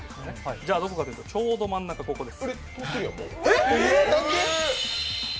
じゃあどこかというとちょうど真ん中、ここです。